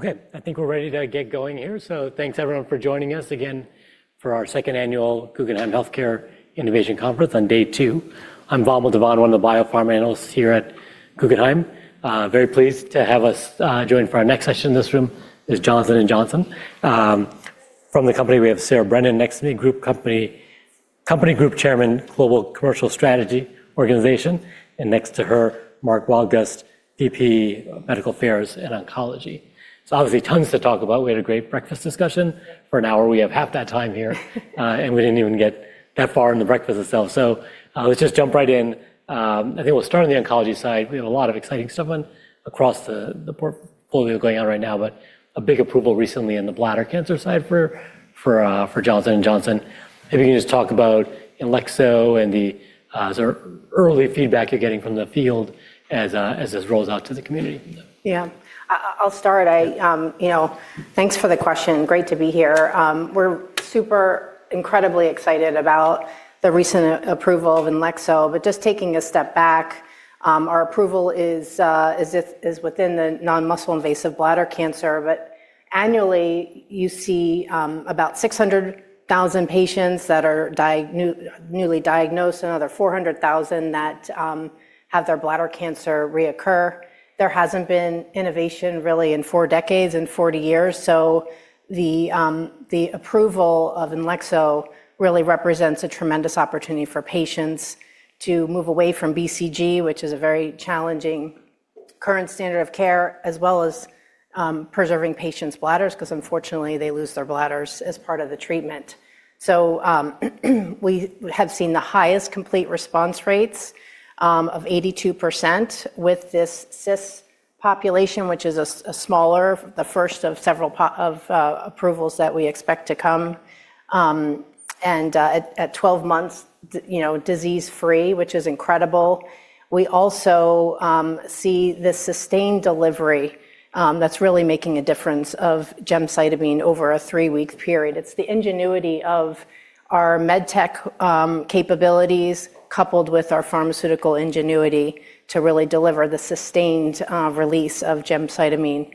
Okay, I think we're ready to get going here. Thanks, everyone, for joining us again for our second annual Guggenheim Healthcare Innovation Conference on day two. I'm Vamil Divan, one of the bio-pharma analysts here at Guggenheim. Very pleased to have us join for our next session in this room. There's Johnson & Johnson. From the company, we have Sarah Brennan next to me, Group Chairman, Global Commercial Strategy Organization. And next to her, Mark Walgus, VP of Medical Affairs and Oncology. Obviously, tons to talk about. We had a great breakfast discussion for an hour. We have half that time here. We didn't even get that far in the breakfast itself. Let's just jump right in. I think we'll start on the oncology side. We have a lot of exciting stuff across the portfolio going on right now, but a big approval recently in the bladder cancer side for Johnson & Johnson. If you can just talk about INLEXO and the early feedback you're getting from the field as this rolls out to the community. Yeah, I'll start. Thanks for the question. Great to be here. We're super incredibly excited about the recent approval of INLEXO. Just taking a step back, our approval is within the non-muscle invasive bladder cancer. Annually, you see about 600,000 patients that are newly diagnosed and another 400,000 that have their bladder cancer reoccur. There hasn't been innovation really in four decades and 40 years. The approval of INLEXO really represents a tremendous opportunity for patients to move away from BCG, which is a very challenging current standard of care, as well as preserving patients' bladders because, unfortunately, they lose their bladders as part of the treatment. We have seen the highest complete response rates of 82% with this CISS population, which is a smaller, the first of several approvals that we expect to come. At 12 months, disease-free, which is incredible. We also see the sustained delivery that's really making a difference of gemcitabine over a three-week period. It's the ingenuity of our med tech capabilities coupled with our pharmaceutical ingenuity to really deliver the sustained release of gemcitabine.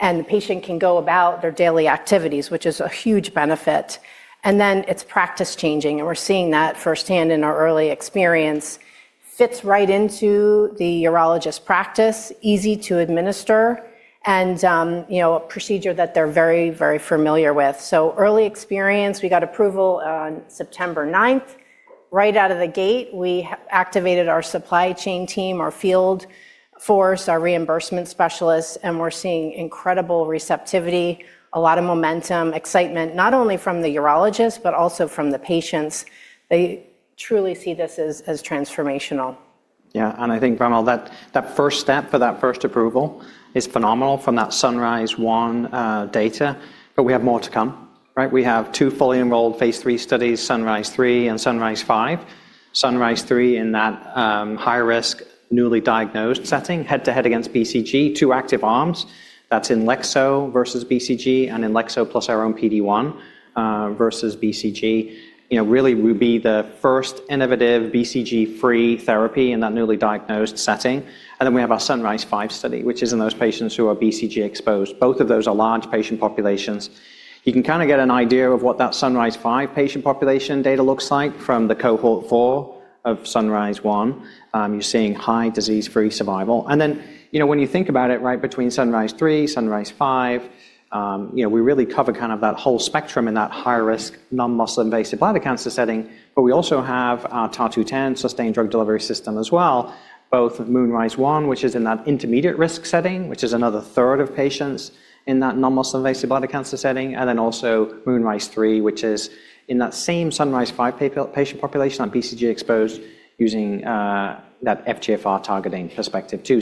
The patient can go about their daily activities, which is a huge benefit. It is practice changing. We're seeing that firsthand in our early experience. Fits right into the urologist practice, easy to administer, and a procedure that they're very, very familiar with. Early experience, we got approval on September 9. Right out of the gate, we activated our supply chain team, our field force, our reimbursement specialists. We're seeing incredible receptivity, a lot of momentum, excitement, not only from the urologists, but also from the patients. They truly see this as transformational. Yeah, and I think, Vamil, that first step for that first approval is phenomenal from that SunRISE-1 data. But we have more to come. We have two fully enrolled phase 3 studies, SunRISE-3 and SunRISE-5. SunRISE-3 in that high-risk, newly diagnosed setting, head-to-head against BCG, two active arms. That's INLEXO versus BCG and INLEXO plus our own PD-1 versus BCG. Really, it would be the first innovative BCG-free therapy in that newly diagnosed setting. And then we have our SunRISE-5 study, which is in those patients who are BCG exposed. Both of those are large patient populations. You can kind of get an idea of what that SunRISE-5 patient population data looks like from the cohort 4 of SunRISE-1. You're seeing high disease-free survival. When you think about it, right between SunRISE-3, SunRISE-5, we really cover kind of that whole spectrum in that high-risk, non-muscle invasive bladder cancer setting. We also have our TAR-210 sustained drug delivery system as well, both MoonRISE-1, which is in that intermediate-risk setting, which is another third of patients in that non-muscle invasive bladder cancer setting, and then also MoonRISE-3, which is in that same SunRISE-5 patient population on BCG-exposed using that FGFR targeting perspective too.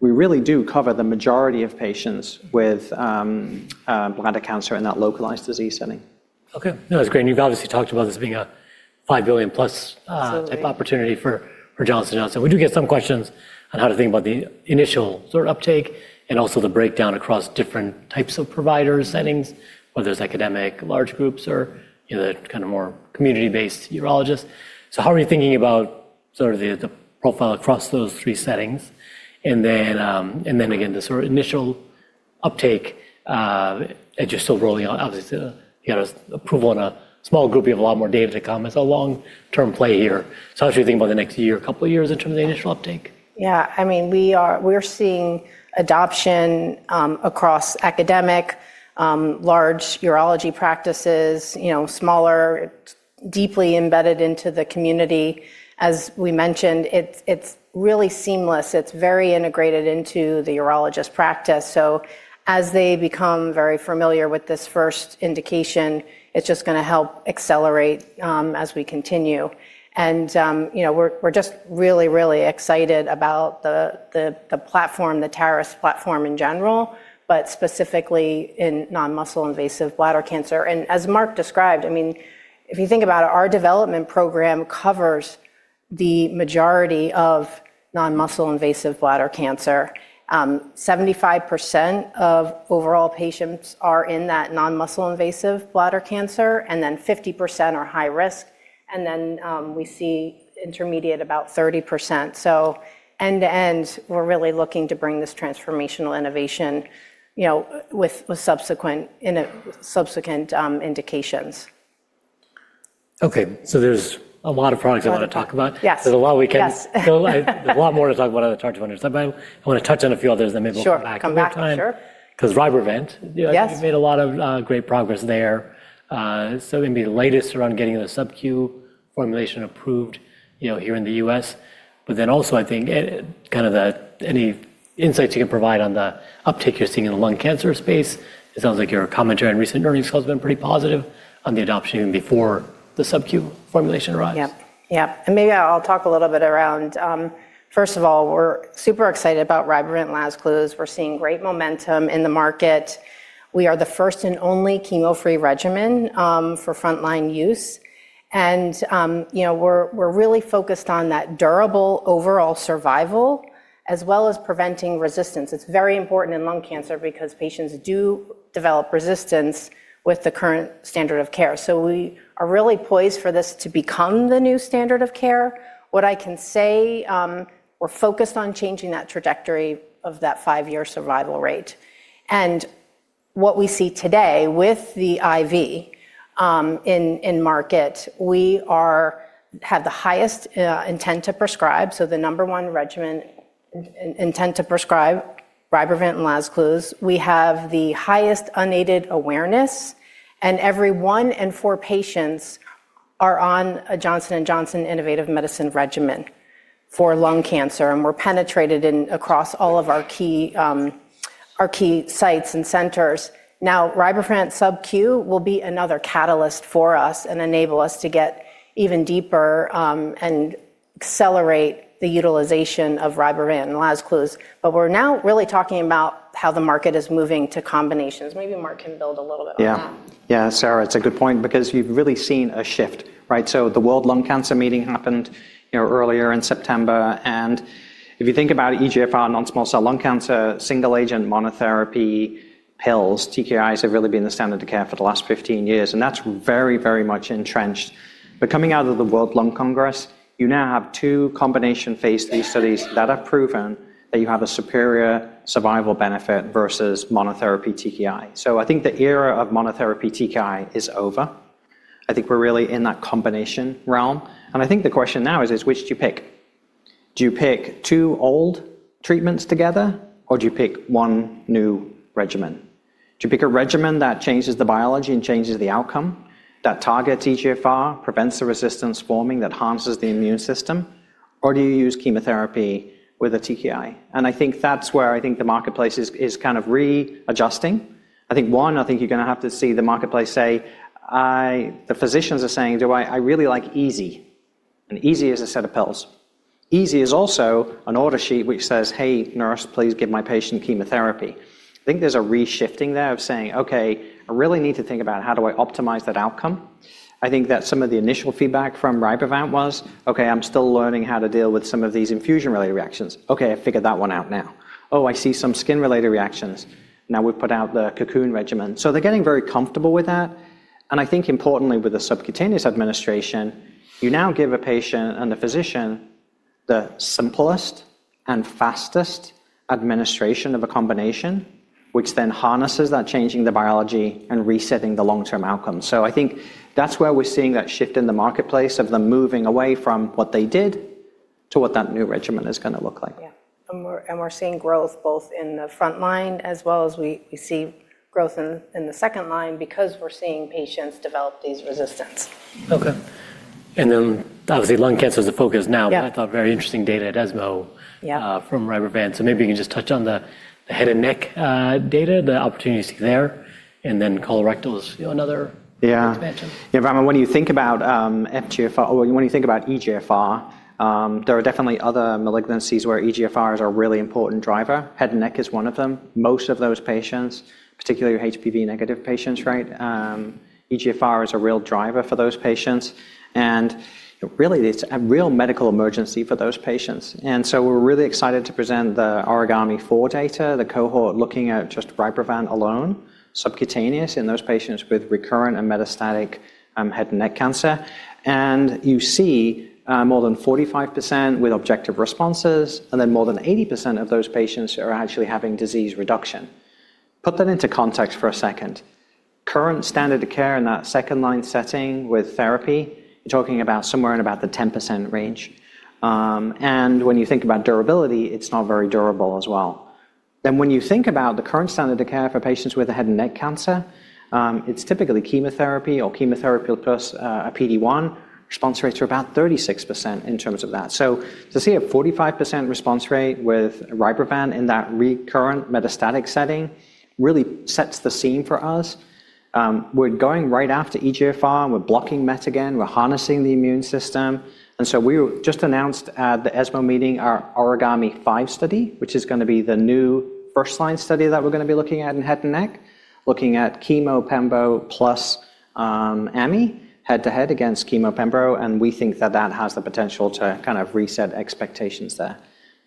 We really do cover the majority of patients with bladder cancer in that localized disease setting. Okay. That's great. You've obviously talked about this being a $5 billion-plus type opportunity for Johnson & Johnson. We do get some questions on how to think about the initial sort of uptake and also the breakdown across different types of providers, settings, whether it's academic, large groups, or the kind of more community-based urologists. How are you thinking about sort of the profile across those three settings? The sort of initial uptake, and you're still rolling out, obviously, you got approval in a small group. You have a lot more data to come. It's a long-term play here. How should we think about the next year, a couple of years in terms of the initial uptake? Yeah, I mean, we're seeing adoption across academic, large urology practices, smaller, deeply embedded into the community. As we mentioned, it's really seamless. It's very integrated into the urologist practice. As they become very familiar with this first indication, it's just going to help accelerate as we continue. We're just really, really excited about the platform, the TARIS platform in general, but specifically in non-muscle invasive bladder cancer. As Mark described, I mean, if you think about it, our development program covers the majority of non-muscle invasive bladder cancer. 75% of overall patients are in that non-muscle invasive bladder cancer, and then 50% are high risk. We see intermediate about 30%. End to end, we're really looking to bring this transformational innovation with subsequent indications. Okay, so there's a lot of products I want to talk about. There's a lot we can go a lot more to talk about on the TAR-200. I want to touch on a few others and then maybe we'll come back to them. Because RYBREVANT, you've made a lot of great progress there. It may be the latest around getting the subQ formulation approved here in the U.S. Also, I think kind of any insights you can provide on the uptake you're seeing in the lung cancer space. It sounds like your commentary on recent earnings calls has been pretty positive on the adoption even before the subQ formulation arrived. Yep, yep. Maybe I'll talk a little bit around, first of all, we're super excited about RYBREVANT and Lazertinib. We're seeing great momentum in the market. We are the first and only chemo-free regimen for frontline use. We're really focused on that durable overall survival as well as preventing resistance. It's very important in lung cancer because patients do develop resistance with the current standard of care. We are really poised for this to become the new standard of care. What I can say, we're focused on changing that trajectory of that five-year survival rate. What we see today with the IV in market, we have the highest intent to prescribe. The number one regimen intent to prescribe, RYBREVANT and Lazertinib. We have the highest unaided awareness. Every one in four patients are on a Johnson & Johnson Innovative Medicine regimen for lung cancer. We're penetrated across all of our key sites and centers. Rybrevant subQ will be another catalyst for us and enable us to get even deeper and accelerate the utilization of Rybrevant and Lazertinib. We're now really talking about how the market is moving to combinations. Maybe Mark can build a little bit on that. Yeah, Sarah, it's a good point because you've really seen a shift. The World Lung Cancer Meeting happened earlier in September. If you think about EGFR, non-small cell lung cancer, single-agent monotherapy pills, TKIs have really been the standard of care for the last 15 years. That's very, very much entrenched. Coming out of the World Lung Congress, you now have two combination phase 3 studies that have proven that you have a superior survival benefit versus monotherapy TKI. I think the era of monotherapy TKI is over. I think we're really in that combination realm. I think the question now is, which do you pick? Do you pick two old treatments together, or do you pick one new regimen? Do you pick a regimen that changes the biology and changes the outcome, that targets EGFR, prevents the resistance forming, that harms the immune system, or do you use chemotherapy with a TKI? I think that's where I think the marketplace is kind of readjusting. I think, one, I think you're going to have to see the marketplace say, the physicians are saying, I really like EZ. EZ is a set of pills. EZ is also an order sheet which says, hey, nurse, please give my patient chemotherapy. I think there's a reshifting there of saying, okay, I really need to think about how do I optimize that outcome. I think that some of the initial feedback from RYBREVANT was, okay, I'm still learning how to deal with some of these infusion-related reactions. Okay, I figured that one out now. Oh, I see some skin-related reactions. Now we've put out the Cocoon regimen. They're getting very comfortable with that. I think, importantly, with the subcutaneous administration, you now give a patient and a physician the simplest and fastest administration of a combination, which then harnesses that, changing the biology and resetting the long-term outcome. I think that's where we're seeing that shift in the marketplace of them moving away from what they did to what that new regimen is going to look like. Yeah, and we're seeing growth both in the front line as well as we see growth in the second line because we're seeing patients develop these resistance. Okay. Obviously, lung cancer is the focus now. I thought very interesting data at ESMO from RYBREVANT. Maybe you can just touch on the head and neck data, the opportunity there, and then colorectal is another dimension. Yeah, Vamil, when you think about FGFR, or when you think about EGFR, there are definitely other malignancies where EGFR is a really important driver. Head and neck is one of them. Most of those patients, particularly HPV-negative patients, EGFR is a real driver for those patients. It is a real medical emergency for those patients. We are really excited to present the Aragami 4 data, the cohort looking at just RYBREVANT alone, subcutaneous in those patients with recurrent and metastatic head and neck cancer. You see more than 45% with objective responses, and then more than 80% of those patients are actually having disease reduction. Put that into context for a second. Current standard of care in that second-line setting with therapy, you are talking about somewhere in about the 10% range. When you think about durability, it is not very durable as well. When you think about the current standard of care for patients with head and neck cancer, it's typically chemotherapy or chemotherapy plus a PD-1, response rates are about 36% in terms of that. To see a 45% response rate with RYBREVANT in that recurrent metastatic setting really sets the scene for us. We're going right after EGFR. We're blocking MET again. We're harnessing the immune system. We just announced at the ESMO meeting our Aragami 5 study, which is going to be the new first-line study that we're going to be looking at in head and neck, looking at chemo pembo plus AMI, head-to-head against chemo pembo. We think that that has the potential to kind of reset expectations there.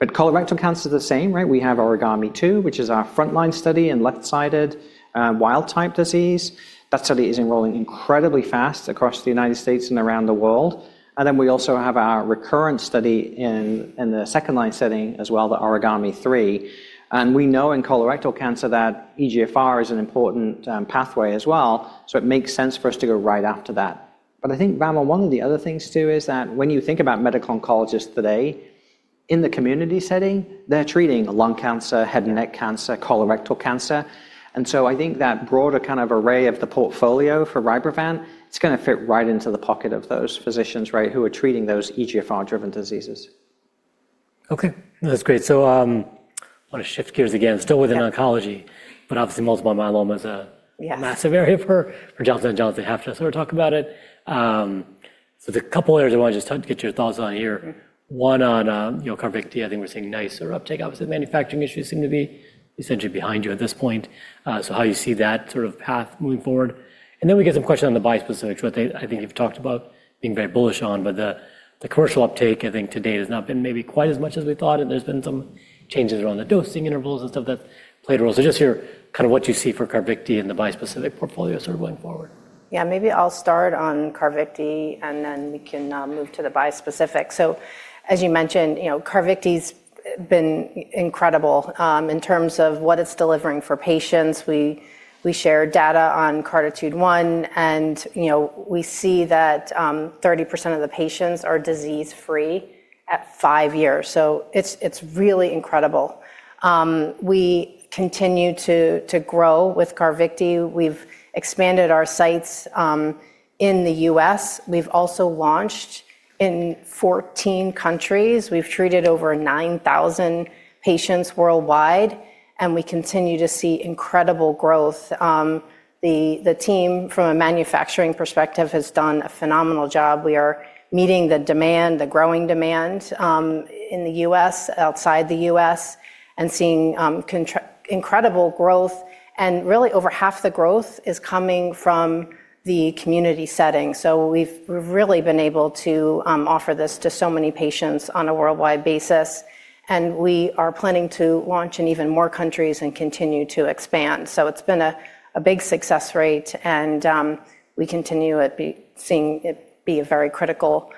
Colorectal cancer is the same. We have Aragami 2, which is our frontline study in left-sided wild-type disease. That study is enrolling incredibly fast across the United States and around the world. We also have our recurrent study in the second-line setting as well, the Aragami 3. We know in colorectal cancer that EGFR is an important pathway as well. It makes sense for us to go right after that. I think, Vamil, one of the other things too is that when you think about medical oncologists today in the community setting, they're treating lung cancer, head and neck cancer, colorectal cancer. I think that broader kind of array of the portfolio for RYBREVANT, it's going to fit right into the pocket of those physicians who are treating those EGFR-driven diseases. Okay, that's great. I want to shift gears again. Still within oncology, but obviously, multiple myeloma is a massive area for Johnson & Johnson. Have to sort of talk about it. The couple areas I want to just get your thoughts on here. One on CARVYKTI, I think we're seeing nicer uptake. Obviously, manufacturing issues seem to be essentially behind you at this point. How do you see that sort of path moving forward? We get some questions on the bispecifics, which I think you've talked about being very bullish on. The commercial uptake, I think today has not been maybe quite as much as we thought. There's been some changes around the dosing intervals and stuff that played a role. Just hear kind of what you see for CARVYKTI and the bispecific portfolio sort of going forward. Yeah, maybe I'll start on CARVYKTI, and then we can move to the bispecific. As you mentioned, CARVYKTI's been incredible in terms of what it's delivering for patients. We share data on CARTITUDE-1, and we see that 30% of the patients are disease-free at five years. It is really incredible. We continue to grow with CARVYKTI. We've expanded our sites in the US. We've also launched in 14 countries. We've treated over 9,000 patients worldwide, and we continue to see incredible growth. The team, from a manufacturing perspective, has done a phenomenal job. We are meeting the demand, the growing demand in the US, outside the US, and seeing incredible growth. Really, over half the growth is coming from the community setting. We've really been able to offer this to so many patients on a worldwide basis. We are planning to launch in even more countries and continue to expand. It has been a big success rate. We continue to be seeing it be a very critical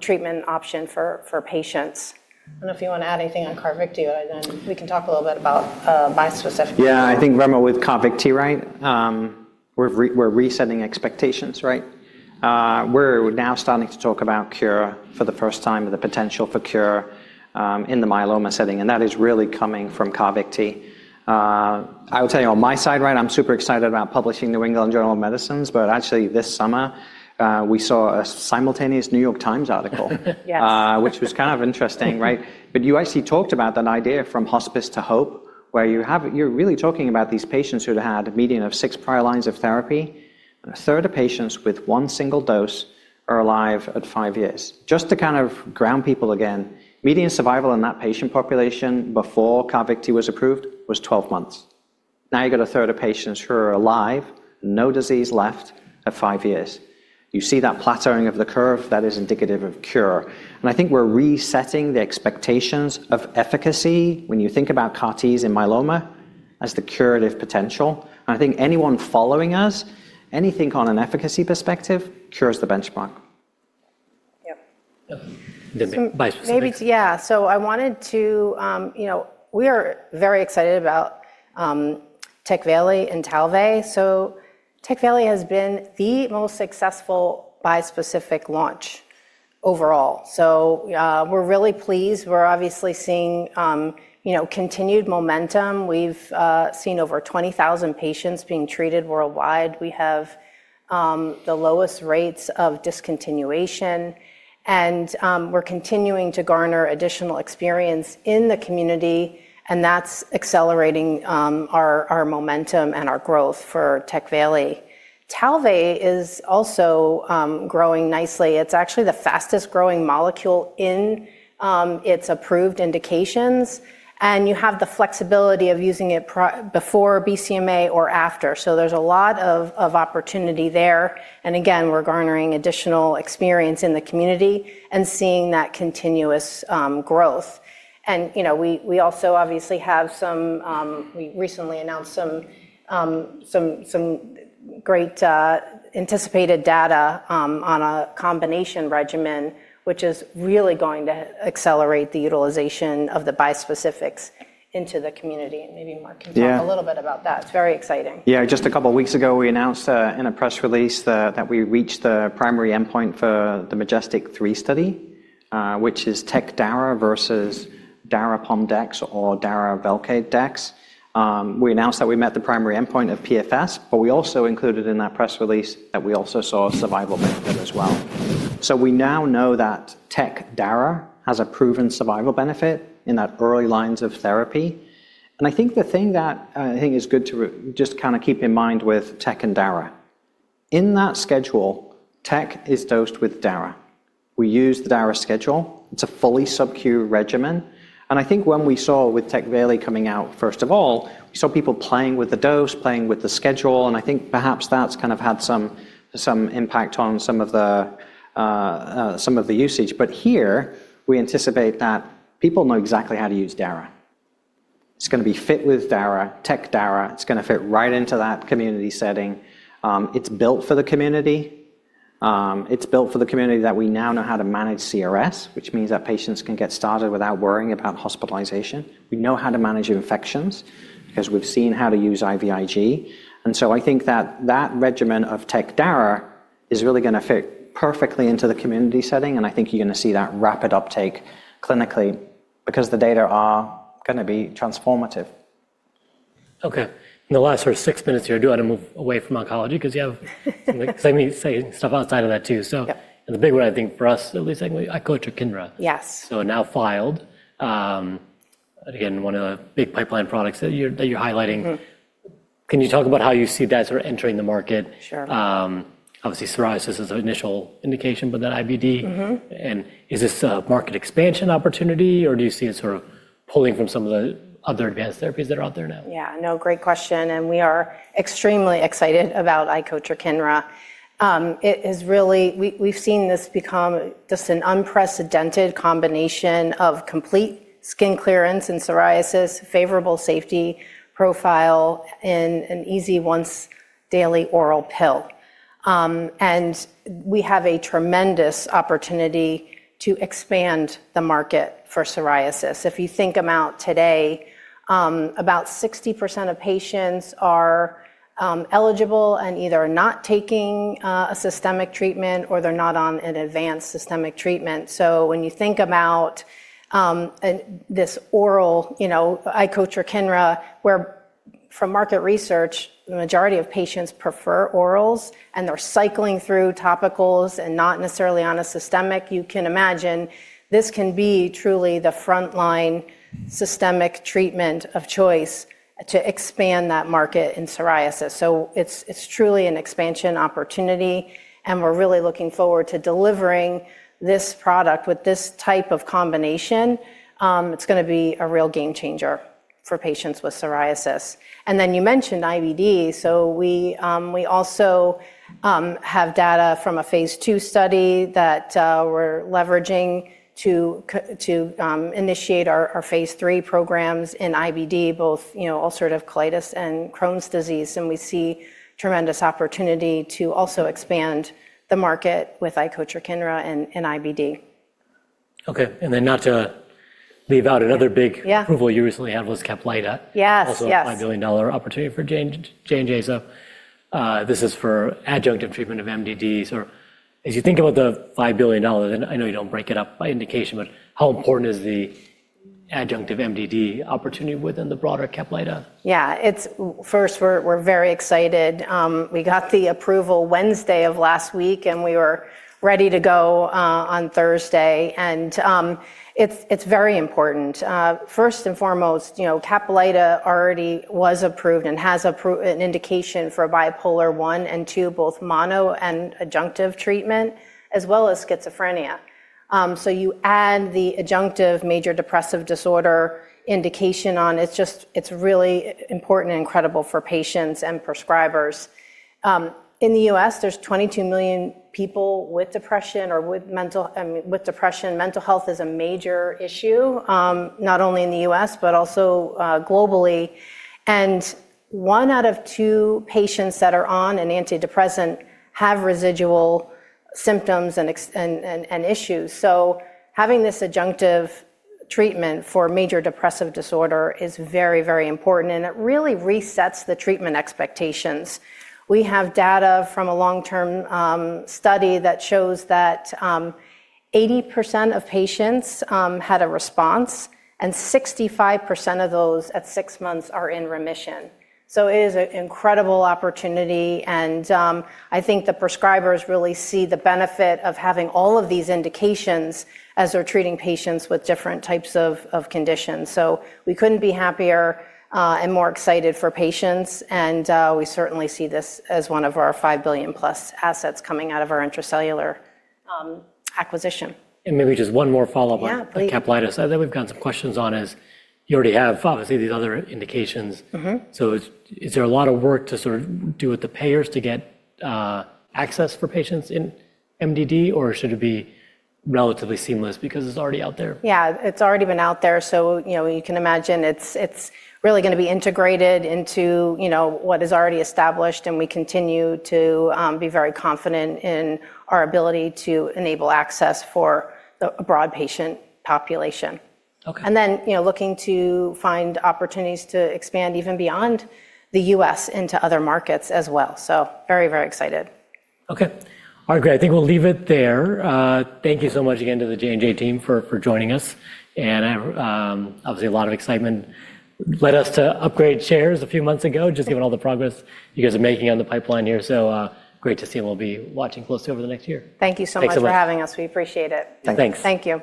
treatment option for patients. I do not know if you want to add anything on CARVYKTI, but then we can talk a little bit about bi-specific. Yeah, I think, Vamil, with CARVYKTI, we're resetting expectations. We're now starting to talk about cure for the first time and the potential for cure in the myeloma setting. And that is really coming from CARVYKTI. I would say on my side, I'm super excited about publishing New England Journal of Medicine. But actually, this summer, we saw a simultaneous New York Times article, which was kind of interesting. But you actually talked about that idea from hospice to hope, where you're really talking about these patients who had a median of six prior lines of therapy. A third of patients with one single dose are alive at five years. Just to kind of ground people again, median survival in that patient population before CARVYKTI was approved was 12 months. Now you've got a third of patients who are alive, no disease left at five years. You see that plateauing of the curve that is indicative of CAR-T. I think we're resetting the expectations of efficacy when you think about CAR-Ts in myeloma as the curative potential. I think anyone following us, anything on an efficacy perspective, CAR-T is the benchmark. Yep. The bi-specific. Yeah, I wanted to, we are very excited about Tecvayli and Talvey. Tecvayli has been the most successful bispecific launch overall. We are really pleased. We are obviously seeing continued momentum. We have seen over 20,000 patients being treated worldwide. We have the lowest rates of discontinuation. We are continuing to garner additional experience in the community. That is accelerating our momentum and our growth for Tecvayli. Talvey is also growing nicely. It is actually the fastest-growing molecule in its approved indications. You have the flexibility of using it before BCMA or after. There is a lot of opportunity there. Again, we are garnering additional experience in the community and seeing that continuous growth. We also obviously have some, we recently announced some great anticipated data on a combination regimen, which is really going to accelerate the utilization of the bispecifics into the community. Maybe Mark can talk a little bit about that. It's very exciting. Yeah, just a couple of weeks ago, we announced in a press release that we reached the primary endpoint for the Majestic-3 study, which is TecDARA versus Darapom DEX or DaraVelcade DEX. We announced that we met the primary endpoint of PFS. We also included in that press release that we also saw survival benefit as well. We now know that TecDARA has a proven survival benefit in that early lines of therapy. I think the thing that I think is good to just kind of keep in mind with Tec and Dara, in that schedule, Tec is dosed with Dara. We use the Dara schedule. It is a fully subq regimen. I think when we saw with Tecvayli coming out, first of all, we saw people playing with the dose, playing with the schedule. I think perhaps that's kind of had some impact on some of the usage. Here, we anticipate that people know exactly how to use Dara. It's going to be fit with Dara, TecDARA. It's going to fit right into that community setting. It's built for the community. It's built for the community that we now know how to manage CRS, which means that patients can get started without worrying about hospitalization. We know how to manage infections because we've seen how to use IVIG. I think that that regimen of TecDARA is really going to fit perfectly into the community setting. I think you're going to see that rapid uptake clinically because the data are going to be transformative. Okay. In the last sort of six minutes here, do you want to move away from oncology? Because you have something to say, stuff outside of that too. The big one, I think, for us, at least, I go to Kindra. Yes. Now filed. Again, one of the big pipeline products that you're highlighting. Can you talk about how you see that sort of entering the market? Sure. Obviously, psoriasis is an initial indication, but then IBD. Is this a market expansion opportunity, or do you see it sort of pulling from some of the other advanced therapies that are out there now? Yeah, no, great question. We are extremely excited about JNJ-2113. It is really, we've seen this become just an unprecedented combination of complete skin clearance in psoriasis, favorable safety profile, and an easy once-daily oral pill. We have a tremendous opportunity to expand the market for psoriasis. If you think about today, about 60% of patients are eligible and either not taking a systemic treatment or they're not on an advanced systemic treatment. If you think about this oral, JNJ-2113, where from market research, the majority of patients prefer orals, and they're cycling through topicals and not necessarily on a systemic, you can imagine this can be truly the frontline systemic treatment of choice to expand that market in psoriasis. It is truly an expansion opportunity. We are really looking forward to delivering this product with this type of combination. It's going to be a real game changer for patients with psoriasis. You mentioned IBD. We also have data from a phase two study that we're leveraging to initiate our phase three programs in IBD, both ulcerative colitis and Crohn's disease. We see tremendous opportunity to also expand the market with I go to Kindra and IBD. Okay. And then not to leave out another big approval you recently had was Caplyta, also a $5 billion opportunity for J&J. This is for adjunctive treatment of MDDs. As you think about the $5 billion, and I know you don't break it up by indication, how important is the adjunctive MDD opportunity within the broader Caplyta? Yeah, first, we're very excited. We got the approval Wednesday of last week, and we were ready to go on Thursday. It is very important. First and foremost, Caplyta already was approved and has an indication for bipolar I and II, both mono and adjunctive treatment, as well as schizophrenia. You add the adjunctive major depressive disorder indication on, it is really important and incredible for patients and prescribers. In the U.S., there are 22 million people with depression or with mental health. Mental health is a major issue, not only in the U.S., but also globally. One out of two patients that are on an antidepressant have residual symptoms and issues. Having this adjunctive treatment for major depressive disorder is very, very important. It really resets the treatment expectations. We have data from a long-term study that shows that 80% of patients had a response, and 65% of those at six months are in remission. It is an incredible opportunity. I think the prescribers really see the benefit of having all of these indications as they're treating patients with different types of conditions. We couldn't be happier and more excited for patients. We certainly see this as one of our $5 billion-plus assets coming out of our Intra-Cellular Therapies acquisition. Maybe just one more follow-up on Caplyta. I think we've got some questions on, as you already have, obviously, these other indications. Is there a lot of work to sort of do with the payers to get access for patients in MDD, or should it be relatively seamless because it's already out there? Yeah, it's already been out there. You can imagine it's really going to be integrated into what is already established. We continue to be very confident in our ability to enable access for a broad patient population. Looking to find opportunities to expand even beyond the U.S. into other markets as well. Very, very excited. Okay. All right, great. I think we'll leave it there. Thank you so much again to the J&J team for joining us. Obviously, a lot of excitement led us to upgrade chairs a few months ago, just given all the progress you guys are making on the pipeline here. Great to see you. We'll be watching closely over the next year. Thank you so much for having us. We appreciate it. Thanks. Thank you.